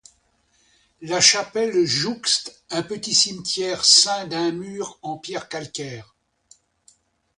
La chapelle jouxte un petit cimetière ceint d'un mur en pierre calcaire.